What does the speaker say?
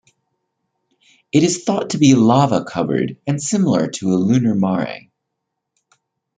It is thought to be lava-covered and similar to a lunar mare.